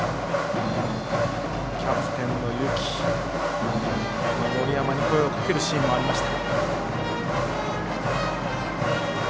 キャプテンの幸も森山に声をかけるシーンがありました。